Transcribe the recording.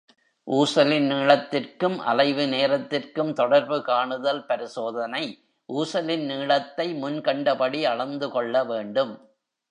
ஊசலின் நீளத்திற்கும் அலைவு நேரத்திற்கும் தொடர்பு காணுதல் பரிசோதனை ஊசலின் நீளத்தை முன் கண்டபடி அளந்து கொள்ள வேண்டும்.